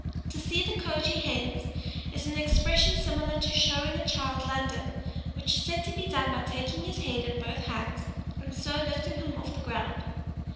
"To see the Kjoge hens," is an expression similar to "showing a child London," which is said to be done by taking his head in both bands, and so lifting him off the ground.